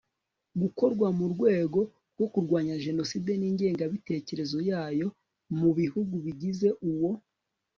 gukorwa mu rwego rwo kurwanya Jenoside n ingengabitekerezo yayo mu bihugu bigize uwo